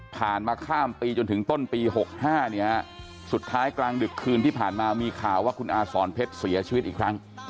มาข้ามปีจนถึงต้นปี๖๕เนี่ยฮะสุดท้ายกลางดึกคืนที่ผ่านมามีข่าวว่าคุณอาสอนเพชรเสียชีวิตอีกครั้ง